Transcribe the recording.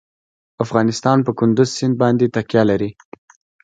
افغانستان په کندز سیند باندې تکیه لري.